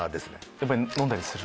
やっぱり飲んだりする？